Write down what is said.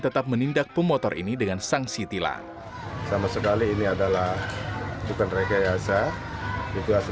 tetap menindak pemotor ini dengan sanksi tilang sama sekali ini adalah bukan rekayasa juga